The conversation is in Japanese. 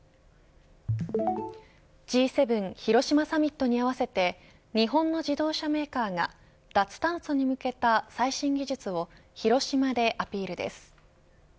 Ｇ７広島サミットに合わせて日本の自動車メーカーが脱炭素に向けた最新技術を広島でアピールです。